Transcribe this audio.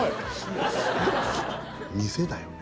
店だよね。